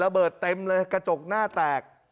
ระเบิดเต็มเลยกระจกหน้าแตก